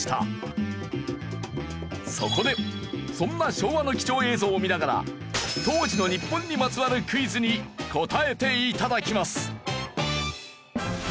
そこでそんな昭和の貴重映像を見ながら当時の日本にまつわるクイズに答えて頂きます。